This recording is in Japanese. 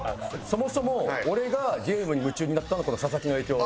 そもそも俺がゲームに夢中になったのはこの佐々木の影響。